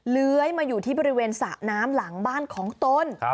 เลื้อยมาอยู่ที่บริเวณสระน้ำหลังบ้านของตน